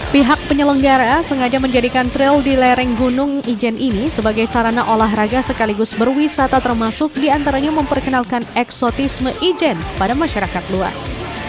pihak penyelenggara sengaja menjadikan trail di lereng gunung ijen ini sebagai sarana olahraga sekaligus berwisata termasuk diantaranya memperkenalkan eksotisme ijen pada masyarakat luas